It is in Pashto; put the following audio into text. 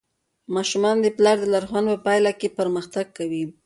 ماشومان د پلار د لارښوونو په پایله کې پرمختګ کوي.